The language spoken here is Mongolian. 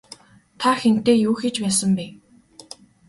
Та хэнтэй юу хийж байсан бэ?